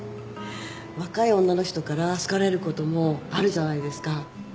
若い女の人から好かれることもあるじゃないですか。